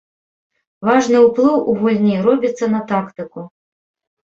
Важны ўплыў у гульні робіцца на тактыку.